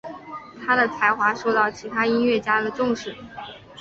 他的才华受到其他音乐家的重视。